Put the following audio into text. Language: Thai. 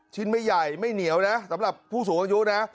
ไม่ใหญ่ไม่เหนียวนะสำหรับผู้สูงอายุนะ